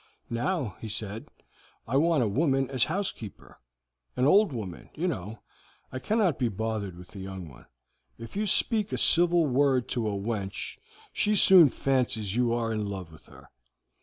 'Now,' he said, 'I want a woman as house keeper; an old woman, you know. I cannot be bothered with a young one. If you speak a civil word to a wench she soon fancies you are in love with her.